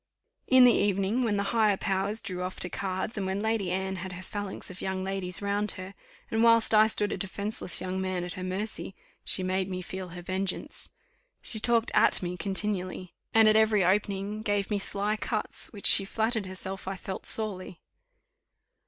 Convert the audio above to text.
In the evening, when the higher powers drew off to cards, and when Lady Anne had her phalanx of young ladies round her; and whilst I stood a defenceless young man at her mercy, she made me feel her vengeance. She talked at me continually, and at every opening gave me sly cuts, which she flattered herself I felt sorely.